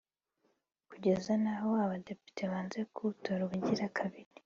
kugeza n’aho abadepite banze kuwutora ubugira kabiri